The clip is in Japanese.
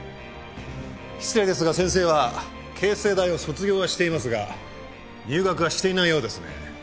失礼ですが先生は慶西大を卒業はしていますが入学はしていないようですね。